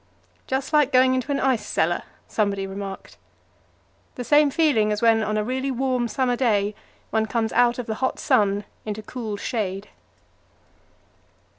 "Just like going into an ice cellar," somebody remarked. The same feeling as when on a really warm summer day one comes out of the hot sun into cool shade.